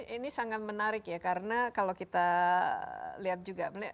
ini sangat menarik ya karena kalau kita lihat juga